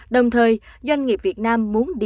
đồng thời doanh nghiệp việt nam muốn đi